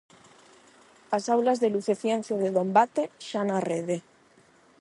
As aulas de luz e ciencia de Dombate, xa na rede.